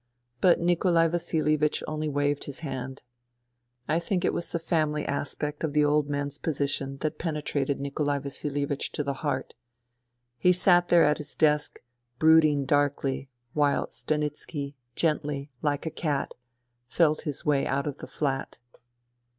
But Nikolai Vasilievich only waved; his hand * /J think it was the family aspect of the old man's position that penetrated Nikolai Vasilievich to the heart. He sat there at his desk, brooding darkly, while Stanitski, gently, like a cat, felt his way out of the flat.